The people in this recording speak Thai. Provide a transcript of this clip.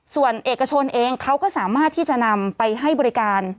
ส่วนเอกชนเองเขาก็สามารถที่จะนำไปให้บริการ